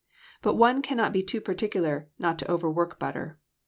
But one cannot be too particular not to overwork butter.